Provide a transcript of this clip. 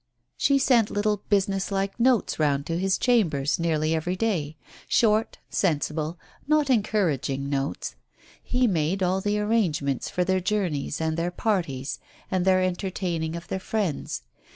She sent little business like notes round to his chambers nearly every day — short, sensible, not encouraging notes. He made all the arrangements for their journeys and their parties and their entertaining of their friends.